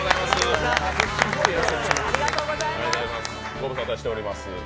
ご無沙汰しております。